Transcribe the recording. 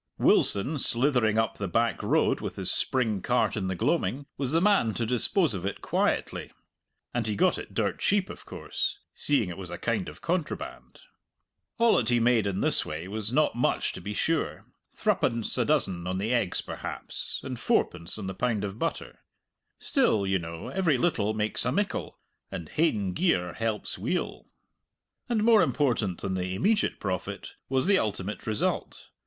Wilson, slithering up the back road with his spring cart in the gloaming, was the man to dispose of it quietly. And he got it dirt cheap, of course, seeing it was a kind of contraband. All that he made in this way was not much to be sure threepence a dozen on the eggs, perhaps, and fourpence on the pound of butter still, you know, every little makes a mickle, and hained gear helps weel. And more important than the immediate profit was the ultimate result.